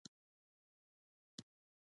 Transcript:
چې زموږ ملک ته څوک شی راوړي دننه